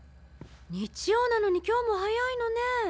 日曜なのに今日も早いのねえ。